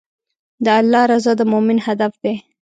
د الله رضا د مؤمن هدف دی.